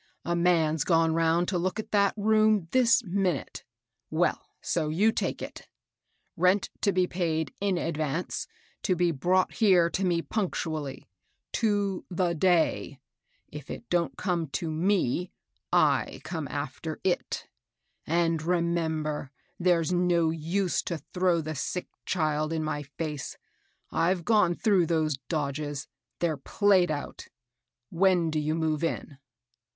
'* A man's gone round to look at that room this minute. Well, so 142 MABEL ROSS. you take it ? Bent to be paid in advance, — to be brought here to me punctually, to the day. If it don't come to me, I come after it. And remem ber, there's no use to throw the sick child in my face. I've gone through those dodges, — they're played out. When do you move in